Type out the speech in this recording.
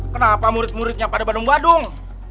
kenapa murid muridnya pada badung badung